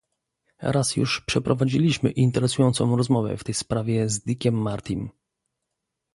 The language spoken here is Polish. Raz już przeprowadziliśmy interesującą rozmowę w tej sprawie z Dickiem Martym